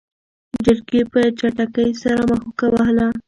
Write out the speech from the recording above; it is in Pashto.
چرګې په چټکۍ سره مښوکه وهله.